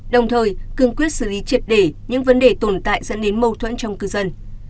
đồng thời cương quyết xử lý triệt để những vấn đề tồn tại dẫn đến mâu thuẫn trong cư dân